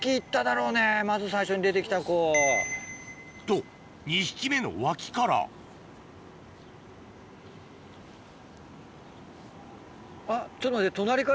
と２匹目の脇からあっちょっと待って。